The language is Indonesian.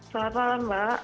selamat malam mbak